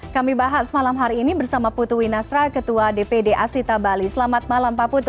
kami bahas malam hari ini bersama putu winastra ketua dpd asita bali selamat malam pak putu